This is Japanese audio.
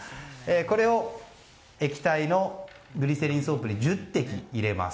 これを液体のグリセリンソープに１０滴入れます。